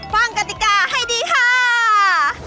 ฟังกฎิกาให้ดีค่าาาาาา